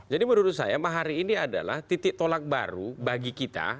jadi menurut saya mahari ini adalah titik tolak baru bagi kita